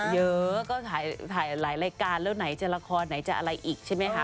เยอะก็ถ่ายหลายรายการแล้วไหนจะละครไหนจะอะไรอีกใช่ไหมคะ